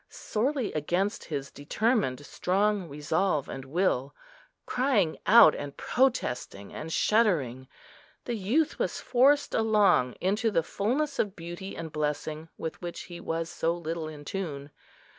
Sorely against his determined strong resolve and will, crying out and protesting and shuddering, the youth was forced along into the fulness of beauty and blessing with which he was so little in tune.